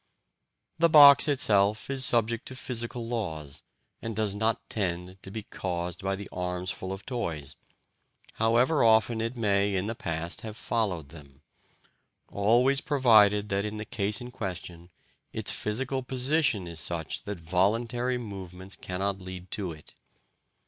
The box itself is subject to physical laws, and does not tend to be caused by the arms full of toys, however often it may in the past have followed them always provided that, in the case in question, its physical position is such that voluntary movements cannot lead to it.